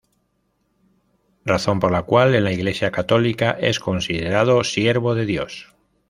Razón por la cual, en la Iglesia católica es considerado siervo de Dios.